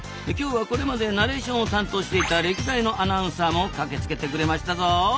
今日はこれまでナレーションを担当していた歴代のアナウンサーも駆けつけてくれましたぞ！